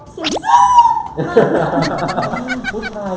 สิ่งสุ่มมาก